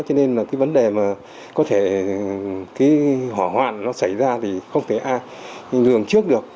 cho nên là cái vấn đề mà có thể cái hỏa hoạn nó xảy ra thì không thể ai lường trước được